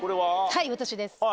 はい私です。